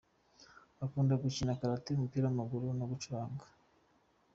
Akunda gukina karate, umupira w’amaguru no gucuranga.